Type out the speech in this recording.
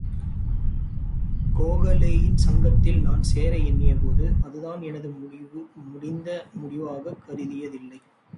கோகலேயின் சங்கத்தில் நான் சேர எண்ணிய போது, அதுதான் எனது முடிந்த முடிவாகக் கருதியதில்லை.